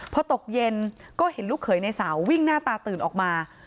พอตกเย็นก็เห็นลูกเขยในสาววิ่งหน้าตาตื่นออกมา